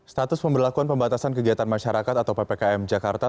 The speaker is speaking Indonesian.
status pemberlakuan pembatasan kegiatan masyarakat atau ppkm jakarta